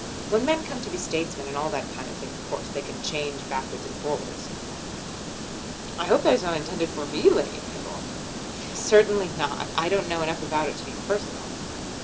When men come to be statesmen and all that kind of thing, of course they can change backwards and forwards." "I hope that is not intended for me, Lady Mabel." "Certainly not. I don't know enough about it to be personal."